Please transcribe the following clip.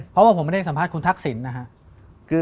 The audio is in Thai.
เพราะว่าผมไม่ได้สัมภาษณ์คุณทักษิณนะครับ